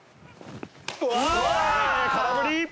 空振り。